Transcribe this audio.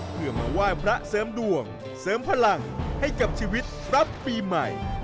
เพื่อมาไหว้พระเสริมดวงเสริมพลังให้กับชีวิตรับปีใหม่